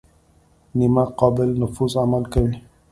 نیمه قابل نفوذ عمل کوي.